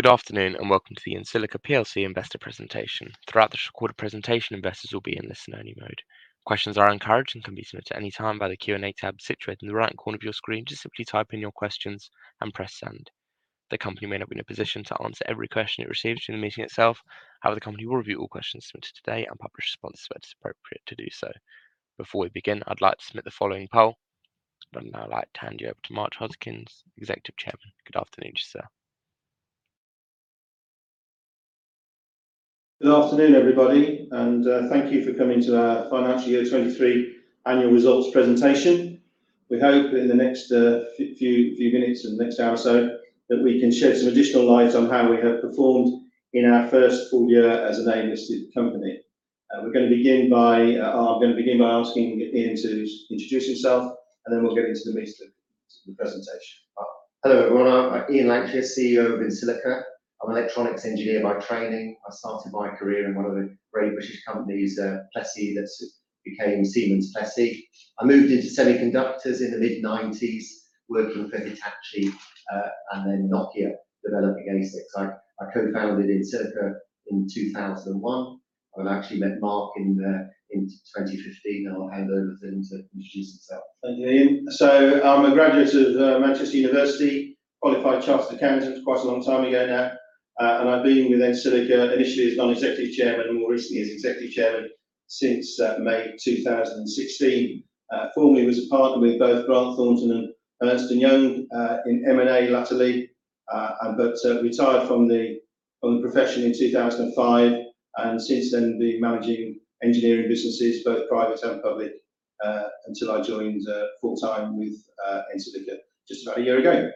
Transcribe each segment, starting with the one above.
Good afternoon, and welcome to the EnSilica plc investor presentation. Throughout this recorded presentation, investors will be in listen only mode. Questions are encouraged and can be submitted at any time via the Q&A tab situated in the right corner of your screen. Just simply type in your questions and press Send. The company may not be in a position to answer every question it receives during the meeting itself. However, the company will review all questions submitted today and publish responses where it is appropriate to do so. Before we begin, I'd like to submit the following poll, and I'd now like to hand you over to Mark Hodgkins, Executive Chairman. Good afternoon to you, sir. Good afternoon, everybody, and thank you for coming to our Financial Year 2023 Annual Results Presentation. We hope that in the next few minutes and the next hour or so, that we can shed some additional light on how we have performed in our first full year as an AIM-listed company. We're gonna begin by... I'm gonna begin by asking Ian to introduce himself, and then we'll get into the meat of the presentation. Hello, everyone. I'm Ian Lankshear, CEO of EnSilica. I'm an electronics engineer by training. I started my career in one of the great British companies, Plessey, that's became Siemens Plessey. I moved into semiconductors in the mid-1990s, working for Hitachi, and then Nokia, developing ASICs. I co-founded EnSilica in 2001. I've actually met Mark in 2015, and I'll hand over to him to introduce himself. Thank you, Ian. So I'm a graduate of Manchester University, qualified chartered accountant, quite a long time ago now. And I've been with EnSilica initially as non-executive chairman and more recently as executive chairman since May 2016. Formerly was a partner with both Grant Thornton and Ernst & Young in M&A, latterly, but retired from the profession in 2005, and since then, been managing engineering businesses, both private and public, until I joined full-time with EnSilica just about a year ago.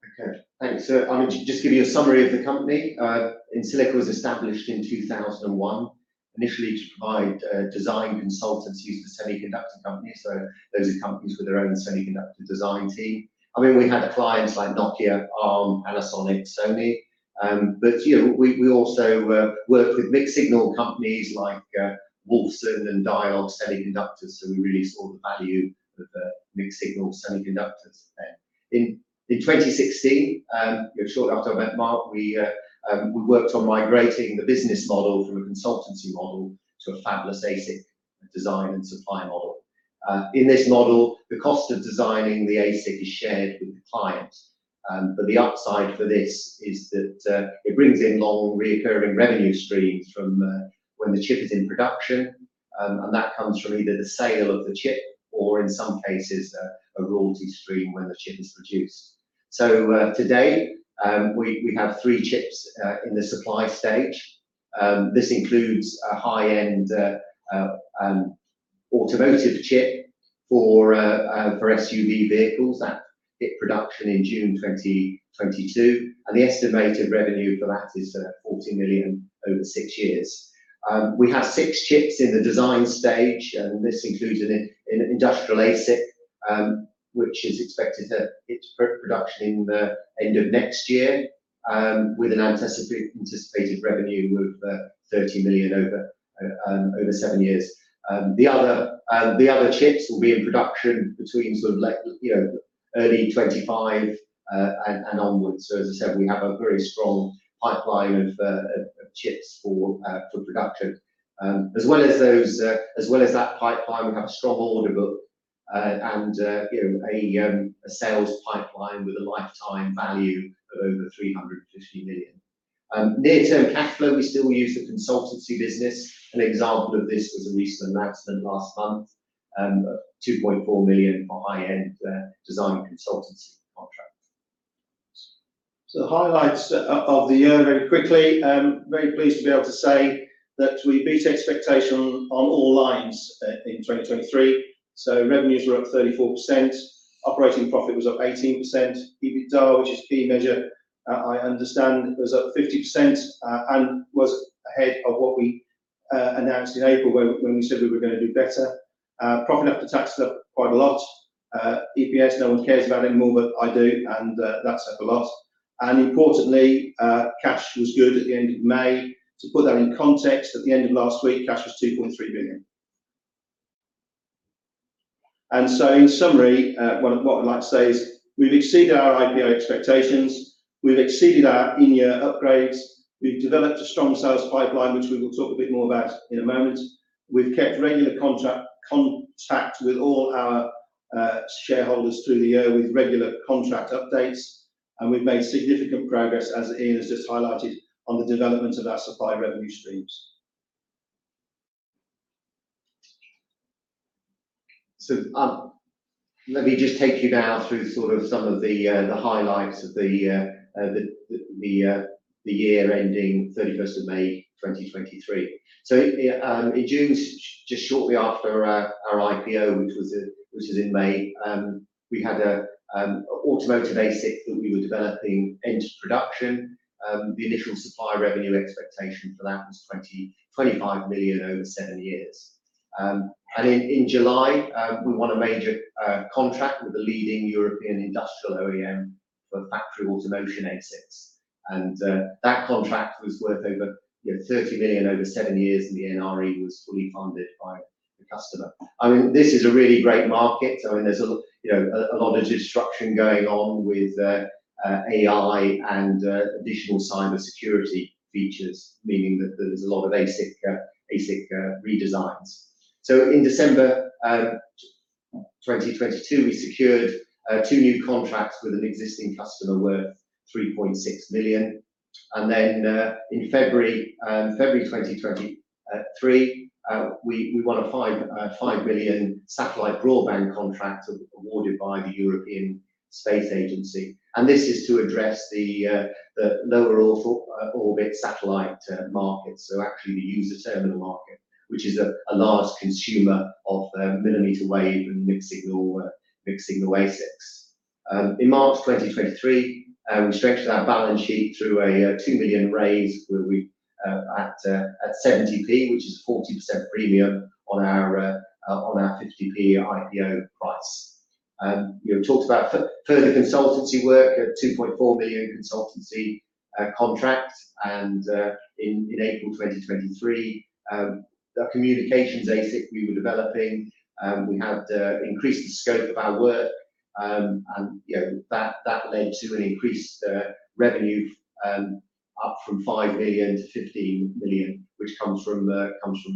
Thanks so much. Okay, thanks. So I'm going to just give you a summary of the company. EnSilica was established in 2001, initially to provide design consultancy to semiconductor companies, so those are companies with their own semiconductor design team. I mean, we had clients like Nokia, Arm, Panasonic, Sony, but, you know, we also worked with mixed signal companies like Wolfson and Dialog Semiconductors, so we really saw the value of mixed signal semiconductors then. In 2016, you know, shortly after I met Mark, we worked on migrating the business model from a consultancy model to a fabless ASIC design and supply model. In this model, the cost of designing the ASIC is shared with the client, but the upside for this is that it brings in long, recurring revenue streams from when the chip is in production. And that comes from either the sale of the chip or in some cases a royalty stream when the chip is produced. So, today we have three chips in the supply stage. This includes a high-end automotive chip for SUV vehicles that hit production in June 2022, and the estimated revenue for that is 40 million over six years. We have six chips in the design stage, and this includes an industrial ASIC, which is expected to hit production in the end of next year, with an anticipated revenue of 30 million over seven years. The other chips will be in production between early 2025 and onwards. As I said, we have a very strong pipeline of chips for production. As well as that pipeline, we have a strong order book, and, you know, a sales pipeline with a lifetime value of over 350 million. Near-term cash flow, we still use the consultancy business. An example of this was a recent announcement last month of 2.4 million for high-end design consultancy contract. The highlights of the year, very quickly. I'm very pleased to be able to say that we beat expectation on all lines in 2023. Revenues were up 34%, operating profit was up 18%. EBITDA, which is a key measure, I understand, was up 50% and was ahead of what we announced in April, when we said we were gonna do better. Profit after tax is up quite a lot. EPS, no one cares about anymore, but I do, and that's up a lot. Importantly, cash was good at the end of May. To put that in context, at the end of last week, cash was 2.3 billion. In summary, what I'd like to say is we've exceeded our IPO expectations, we've exceeded our in-year upgrades, we've developed a strong sales pipeline, which we will talk a bit more about in a moment. We've kept regular contact with all our shareholders through the year with regular contract updates, and we've made significant progress, as Ian has just highlighted, on the development of our supply revenue streams. Let me just take you now through sort of some of the highlights of the year ending thirty-first of May, 2023. In June, just shortly after our IPO, which was in May, we had an automotive ASIC that we were developing enter production. The initial supply revenue expectation for that was 25 million over seven years. In July, we won a major contract with a leading European industrial OEM for factory automation ASICs, and that contract was worth over 30 million over seven years, and the NRE was fully funded by the customer. I mean, this is a really great market. I mean, there's a, you know, a lot of disruption going on with AI and additional cybersecurity features, meaning that there's a lot of ASIC redesigns. So in December 2022, we secured two new contracts with an existing customer worth 3.6 million, and then in February 2023, we won a 5 million satellite broadband contract awarded by the European Space Agency, and this is to address the lower orbit satellite market. So actually the user terminal market, which is a large consumer of millimeter wave and mixed signal ASICs. In March 2023, we strengthened our balance sheet through a 2 million raise, where we at 70p, which is a 40% premium on our 50p IPO price. We talked about further consultancy work, a 2.4 million consultancy contract, and in April 2023, the communications ASIC we were developing, we had increased the scope of our work, and, you know, that led to an increased revenue up from 5 million to 15 million, which comes from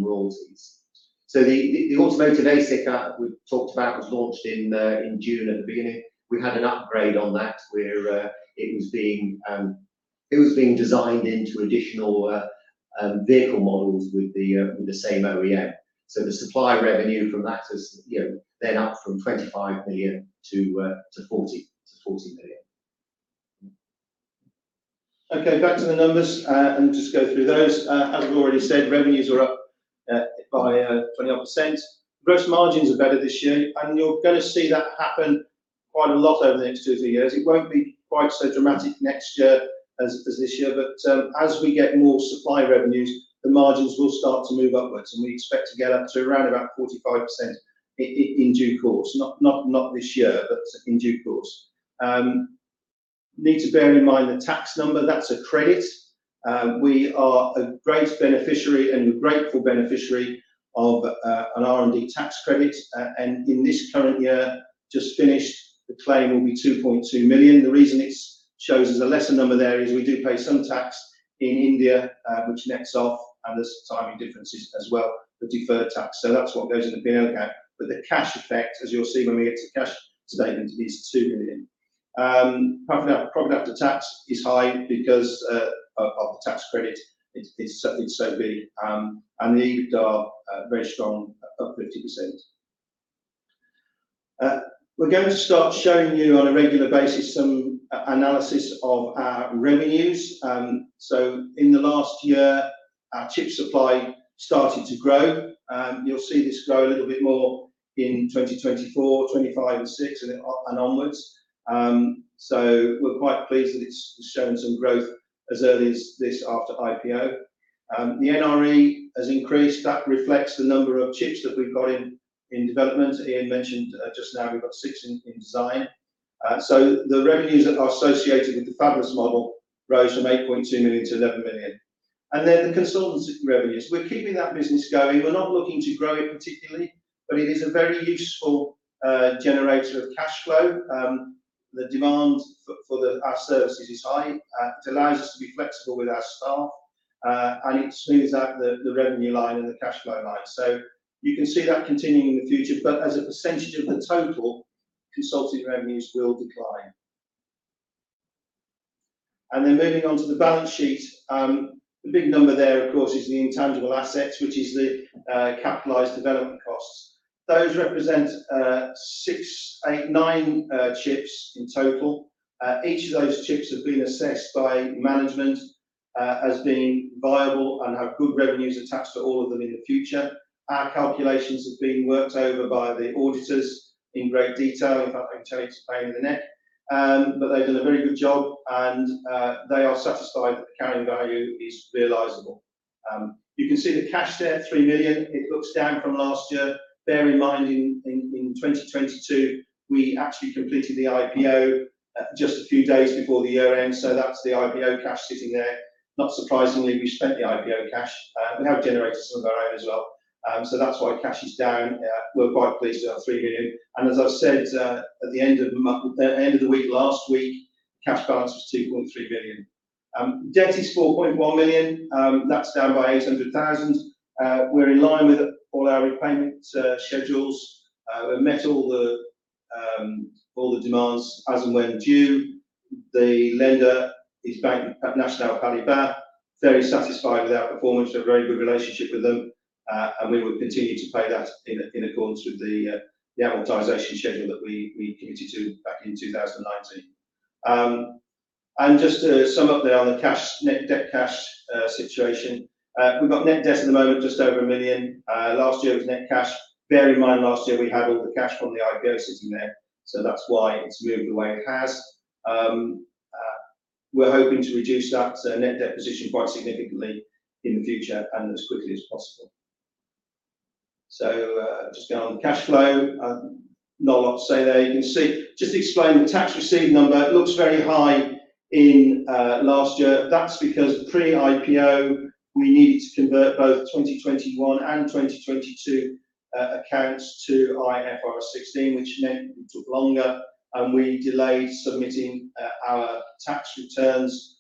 royalties. So the automotive ASIC we talked about was launched in June at the beginning. We had an upgrade on that, where it was being designed into additional vehicle models with the same OEM. So the supply revenue from that is, you know, then up from 25 million to 40 million. Okay, back to the numbers, and just go through those. As we've already said, revenues are up by 20-odd percent. Gross margins are better this year, and you're gonna see that happen quite a lot over the next two, three years. It won't be quite so dramatic next year as this year, but, you know, as we get more supply revenues, the margins will start to move upwards, and we expect to get up to around about 45% in due course. Not, not this year, but in due course. Need to bear in mind the tax number, that's a credit. We are a great beneficiary and a grateful beneficiary of an R&D tax credit, and in this current year, just finished, the claim will be 2.2 million. The reason it shows as a lesser number there is we do pay some tax in India, which nets off, and there's timing differences as well, the deferred tax. So that's what goes in the P&L account. But the cash effect, as you'll see when we get to the cash statement, is 2 million. Profit after tax is high because of the tax credit is so big, and the EBITDA very strong, up 50%. We're going to start showing you on a regular basis some analysis of our revenues. In the last year, our chip supply started to grow. You'll see this grow a little bit more in 2024, 2025, 2026 and onwards. We're quite pleased that it's shown some growth as early as this after IPO. The NRE has increased; that reflects the number of chips that we've got in development. Ian mentioned just now we've got six in design. The revenues that are associated with the fabless model rose from 8.2 to 11 million. The consultancy revenues—we're keeping that business going. We're not looking to grow it particularly, but it is a very useful generator of cash flow. The demand for our services is high. It allows us to be flexible with our staff, and it smooths out the revenue line and the cash flow line. So you can see that continuing in the future, but as a percentage of the total, consulting revenues will decline. Then moving on to the balance sheet. The big number there, of course, is the intangible assets, which is the capitalized development costs. Those represent 689 chips in total. Each of those chips have been assessed by management as being viable and have good revenues attached to all of them in the future. Our calculations have been worked over by the auditors in great detail. In fact, I can tell you, it's a pain in the neck, but they've done a very good job, and they are satisfied that the carrying value is realizable. You can see the cash there, 3 million. It looks down from last year. Bear in mind, in 2022, we actually completed the IPO, just a few days before the year end, so that's the IPO cash sitting there. Not surprisingly, we spent the IPO cash, we have generated some of our own as well. So that's why cash is down. We're quite pleased with our 3 million, and as I've said, at the end of the month, end of the week, last week, cash balance was 2.3 billion. Debt is 4.1 million, that's down by 800,000. We're in line with all our repayment schedules. We've met all the demands as and when due. The lender is Banque Nationale de Paris, very satisfied with our performance. We have a very good relationship with them, and we will continue to pay that in accordance with the amortization schedule that we committed to back in 2019. Just to sum up there on the cash, net debt cash situation, we've got net debt at the moment, just over 1 million. Last year it was net cash. Bear in mind, last year we had all the cash from the IPO sitting there, so that's why it's moved the way it has. We're hoping to reduce that net debt position quite significantly in the future and as quickly as possible. So, just going on the cash flow. Not a lot to say there. You can see, just to explain, the tax receipt number looks very high in last year. That's because pre-IPO, we needed to convert both 2021 and 2022 accounts to IFRS 16, which meant it took longer, and we delayed submitting our tax returns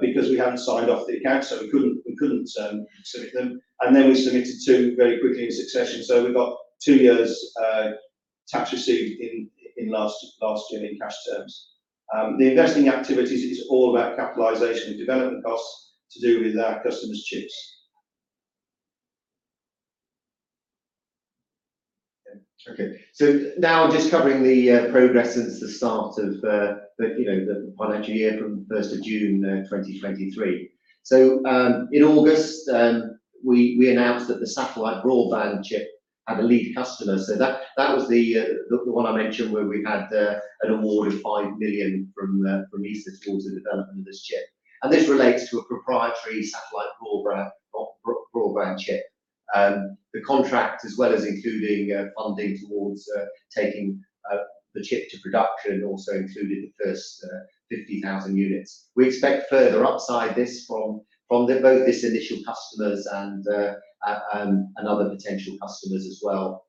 because we hadn't signed off the accounts, so we couldn't submit them. And then we submitted two very quickly in succession. So we've got two years' tax receipt in last year in cash terms. The investing activities is all about capitalization and development costs to do with our customers' chips. Okay, so now I'm just covering the progress since the start of the financial year from the first of June 2023. So, in August, we announced that the satellite broadband chip had a lead customer. So that was the one I mentioned where we had an award of 5 million from ESA towards the development of this chip. And this relates to a proprietary satellite broadband chip. The contract, as well as including funding towards taking the chip to production, also included the first 50,000 units. We expect further upside from this from both this initial customers and other potential customers as well.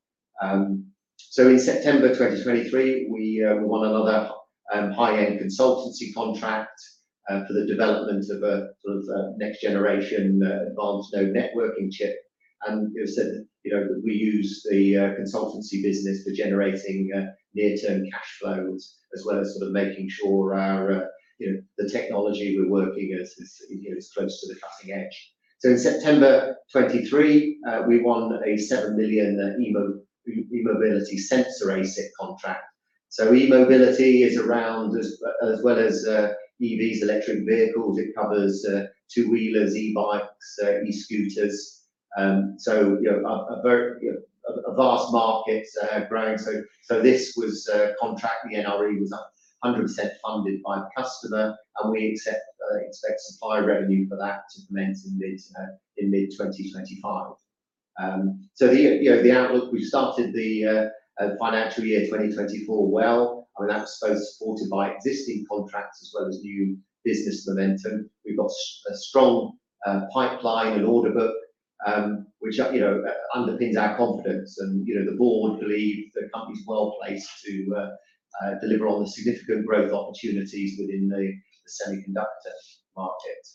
So in September 2023, we won another high-end consultancy contract for the development of a sort of a next-generation advanced node networking chip. We've said that, you know, we use the consultancy business for generating, you know, near-term cash flows, as well as sort of making sure our, you know, the technology we're working is, is, you know, is close to the cutting edge. In September 2023, we won a 7 million e-mobility sensor ASIC contract. E-mobility is around as, as well as EVs, electric vehicles, it covers two-wheelers, e-bikes, e-scooters. You know, a very, a vast market, growing. This was a contract, again, already was 100% funded by the customer, and we expect supply revenue for that to commence in mid-2025. So the, you know, the outlook, we've started the financial year 2024 well, and that's both supported by existing contracts as well as new business momentum. We've got a strong pipeline and order book, which, you know, underpins our confidence. And, you know, the board believes the company's well-placed to deliver on the significant growth opportunities within the semiconductor market.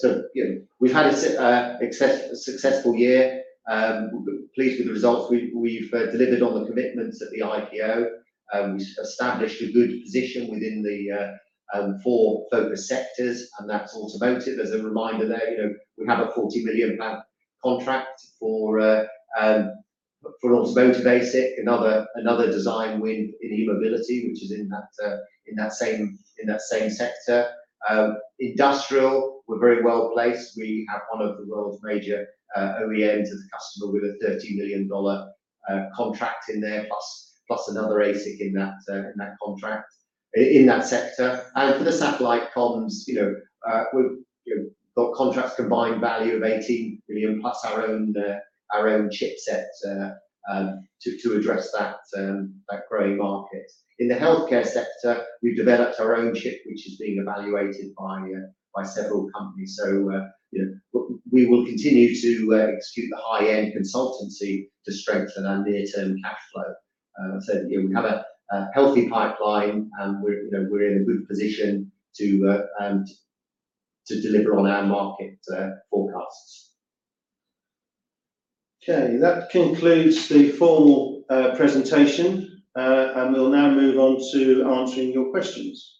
So, you know, we've had a successful year. We're pleased with the results. We've delivered on the commitments at the IPO, we've established a good position within the four focus sectors, and that's automotive. As a reminder there, you know, we have a 40 million pound contract for, for an automotive ASIC, another design win in e-mobility, which is in that, in that same, in that same sector. Industrial, we're very well-placed. We have one of the world's major OEMs as a customer with a $13 million contract in there, plus another ASIC in that, in that contract, in that sector. For the satellite comms, you know, we've got contracts combined value of 18 million, plus our own chipset, to address that, that growing market. In the healthcare sector, we've developed our own chip, which is being evaluated by several companies. So, you know, we will continue to execute the high-end consultancy to strengthen our near-term cash flow. So, you know, we have a healthy pipeline, and we're, you know, we're in a good position to deliver on our market forecasts. Okay, that concludes the formal presentation, and we'll now move on to answering your questions.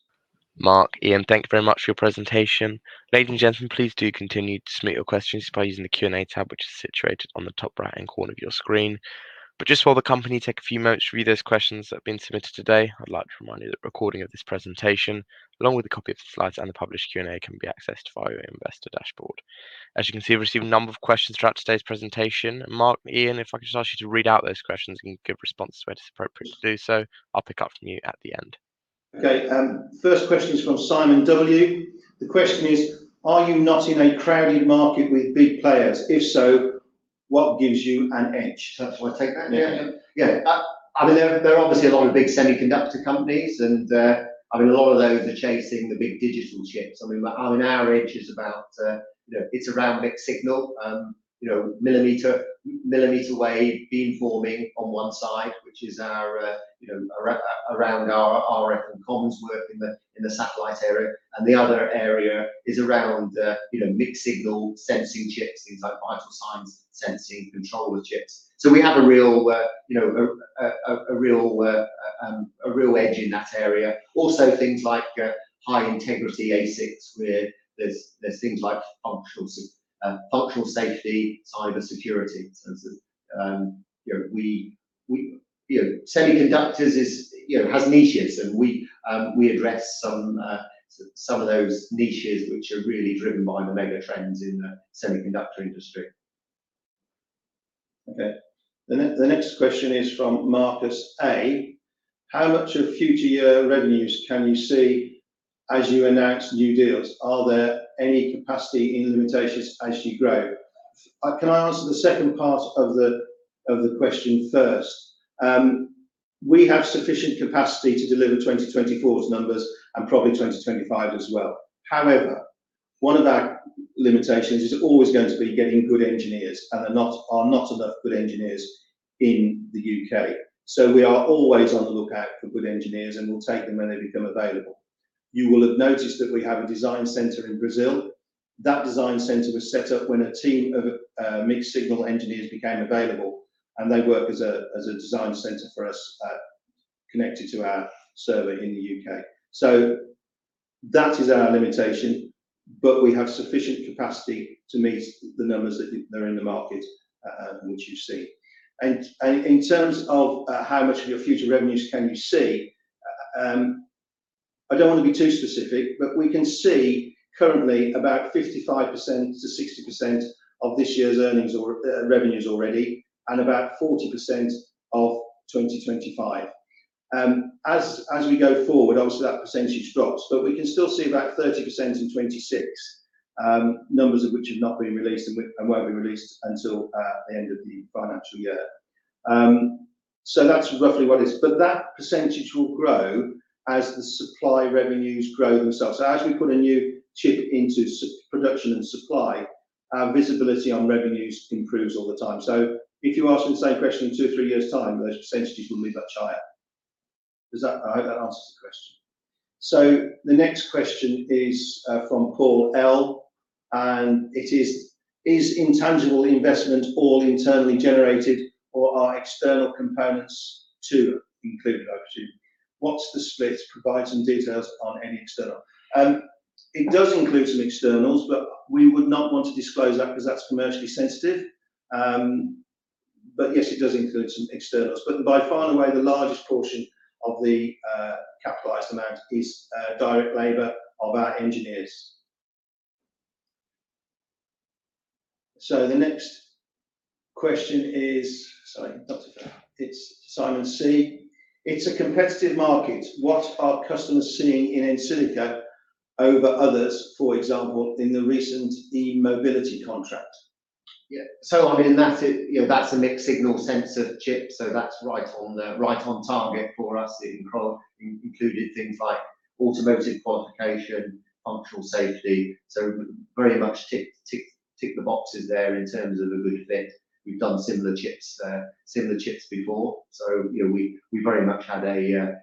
Mark, Ian, thank you very much for your presentation. Ladies and gentlemen, please do continue to submit your questions by using the Q&A tab, which is situated on the top right-hand corner of your screen. But just while the company take a few moments to read those questions that have been submitted today, I'd like to remind you that a recording of this presentation, along with a copy of the slides and the published Q&A, can be accessed via your investor dashboard. As you can see, we've received a number of questions throughout today's presentation. Mark, Ian, if I could just ask you to read out those questions and give responses where it is appropriate to do so, I'll pick up from you at the end. Okay, first question is from Simon W. The question is: "Are you not in a crowded market with big players? If so, what gives you an edge?" So shall I take that, Ian? Yeah. Yeah. I mean, there are obviously a lot of big semiconductor companies and, I mean, a lot of those are chasing the big digital chips. I mean, but, I mean, our edge is about, you know, it's around mixed signal, you know, millimeter wave beamforming on one side, which is our, you know, around our RF and comms work in the satellite area. And the other area is around, you know, mixed signal sensing chips, things like vital signs sensing controller chips. So we have a real, you know, a real edge in that area. Also, things like high-integrity ASICs, where there's things like functional safety, cybersecurity, so, you know, we... You know, semiconductors, you know, has niches, and we address some of those niches which are really driven by the mega trends in the semiconductor industry. Okay. The next question is from Marcus A:... How much of future year revenues can you see as you announce new deals? Are there any capacity limitations as you grow? Can I answer the second part of the question first? We have sufficient capacity to deliver 2024's numbers and probably 2025 as well. However, one of our limitations is always going to be getting good engineers, and there are not enough good engineers in the U.K. We are always on the lookout for good engineers, and we'll take them when they become available. You will have noticed that we have a design center in Brazil. That design center was set up when a team of mixed signal engineers became available, and they work as a design center for us, connected to our server in the U.K.. So that is our limitation, but we have sufficient capacity to meet the numbers that are in the market, which you see. And in terms of how much of your future revenues can you see, I don't want to be too specific, but we can see currently about 55%-60% of this year's earnings or revenues already, and about 40% of 2025. As we go forward, obviously that percentage drops, but we can still see about 30% in 2026, numbers of which have not been released and won't be released until the end of the financial year. So that's roughly what it is. But that percentage will grow as the supply revenues grow themselves. So as we put a new chip into production and supply, our visibility on revenues improves all the time. So if you ask the same question in two, three years' time, those percentages will be much higher. Does that... I hope that answers the question. So the next question is from Paul L, and it is: Is intangible investment all internally generated, or are external components too included, actually? What's the split? Provide some details on any external. It does include some externals, but we would not want to disclose that, 'cause that's commercially sensitive. Yes, it does include some externals. By far and away, the largest portion of the capitalized amount is direct labor of our engineers. The next question is... Sorry, not... It's Simon C. It's a competitive market. What are customers seeing in EnSilica over others, for example, in the recent e-mobility contract? Yeah, I mean, that's a mixed signal sensor chip, so that's right on target for us. It included things like automotive qualification, functional safety, so very much ticked, ticked, ticked the boxes there in terms of a good fit. We've done similar chips, similar chips before, so, you know, we very much had a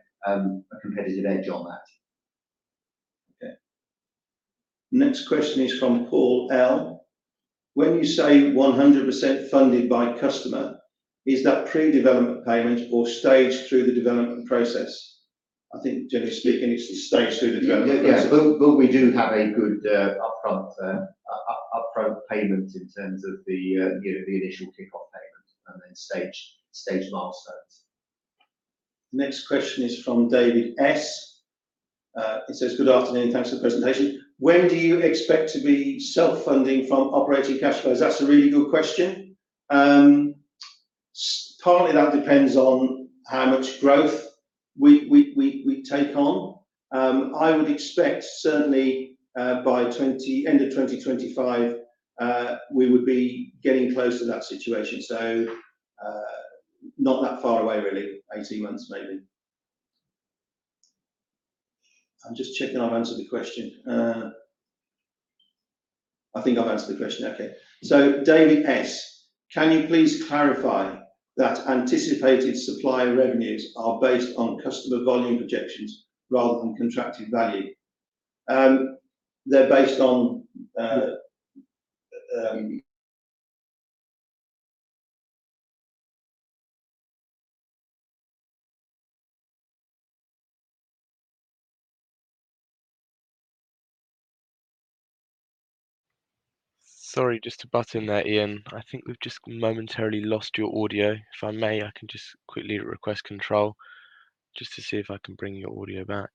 competitive edge on that. Okay. Next question is from Paul L. When you say 100% funded by customer, is that pre-development payment or staged through the development process? I think generally speaking, it's staged through the development process. Yeah, but, but we do have a good upfront payment in terms of the, you know, the initial kickoff payment, and then stage milestones. Next question is from David S. It says, "Good afternoon, thanks for the presentation. When do you expect to be self-funding from operating cash flows?" That's a really good question. Partly that depends on how much growth we take on. I would expect certainly by end of 2025 we would be getting close to that situation. So, not that far away, really. 18 months, maybe. I'm just checking I've answered the question. I think I've answered the question. Okay. So David S.: Can you please clarify that anticipated supplier revenues are based on customer volume projections rather than contracted value? They're based on, Sorry, just to butt in there, Ian. I think we've just momentarily lost your audio. If I may, I can just quickly request control, just to see if I can bring your audio back.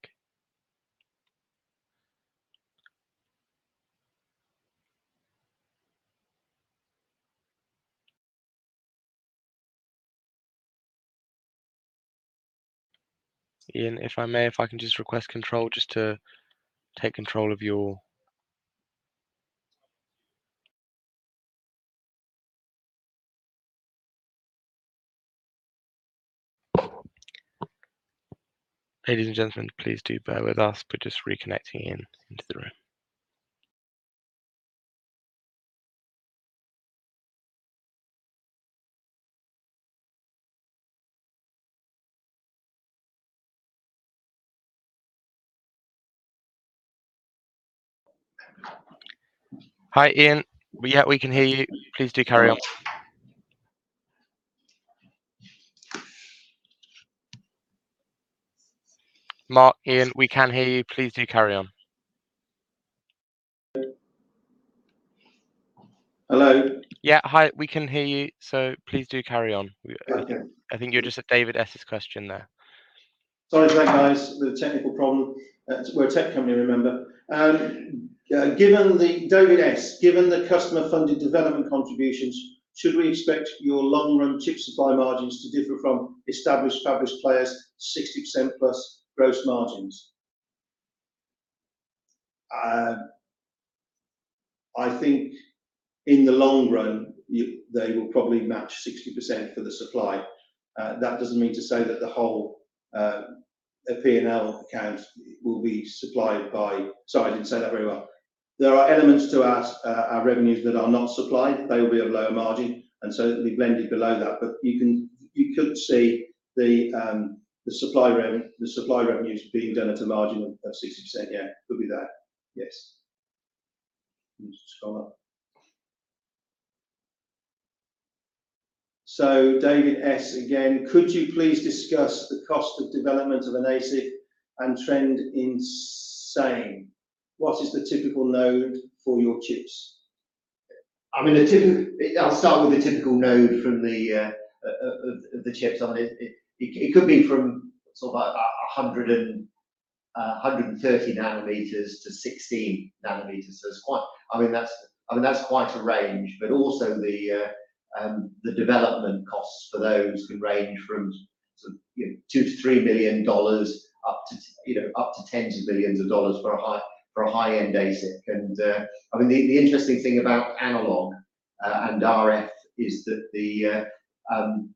Ian, if I may, if I can just request control, just to take control of your... Ladies and gentlemen, please do bear with us. We're just reconnecting Ian into the room. Hi, Ian. Yeah, we can hear you. Please do carry on. Mark, Ian, we can hear you. Please do carry on. Hello? Yeah. Hi, we can hear you, so please do carry on. Okay. I think you're just at David S.'s question there. Sorry about that, guys, the technical problem. We're a tech company, remember? Given the customer-funded development contributions, should we expect your long-run chip supply margins to differ from established players, 60%+ gross margins? I think in the long run, they will probably match 60% for the supply. That doesn't mean to say that the whole P&L account will be supplied by... Sorry, I didn't say that very well. There are elements to our revenues that are not supplied. They will be of lower margin, and so it'll be blended below that. You could see the supply revenue, the supply revenues being done at a margin of 60%. Yeah, it could be that. Yes. Just come up. So David S., again: Could you please discuss the cost of development of an ASIC and trend in same? What is the typical node for your chips? I'll start with the typical node from the chips on it. It could be from sort of a 130nm to 16nm. So it's quite a range, I mean, that's quite a range, but also the development costs for those can range from sort of, you know, $2-3 million up to, you know, up to tens of millions of dollars for a high-end ASIC. And, I mean, the interesting thing about analog and RF is that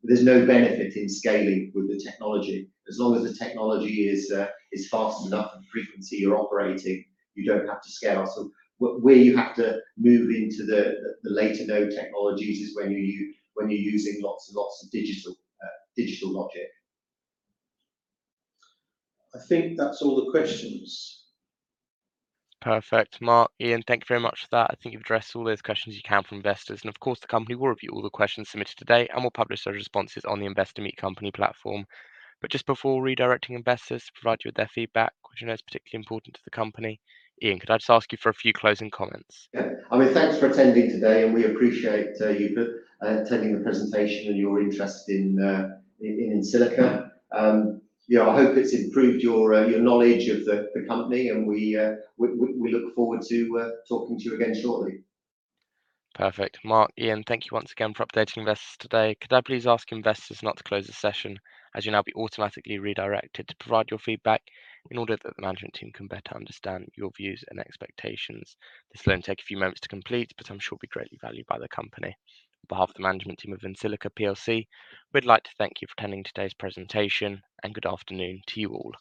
there's no benefit in scaling with the technology. As long as the technology is fast enough and frequency you're operating, you don't have to scale. So where you have to move into the later node technologies is when you, when you're using lots and lots of digital digital logic. I think that's all the questions. Perfect. Mark, Ian, thank you very much for that. I think you've addressed all those questions you can from investors, and of course, the company will review all the questions submitted today and will publish their responses on the Investor Meet Company platform. But just before redirecting investors to provide you with their feedback, which I know is particularly important to the company, Ian, could I just ask you for a few closing comments? Yeah. I mean, thanks for attending today, and we appreciate you attending the presentation and your interest in EnSilica. Yeah, I hope it's improved your knowledge of the company, and we look forward to talking to you again shortly. Perfect. Mark, Ian, thank you once again for updating investors today. Could I please ask investors not to close the session, as you'll now be automatically redirected to provide your feedback in order that the management team can better understand your views and expectations. This will only take a few moments to complete, but I'm sure will be greatly valued by the company. On behalf of the management team of EnSilica PLC, we'd like to thank you for attending today's presentation, and good afternoon to you all.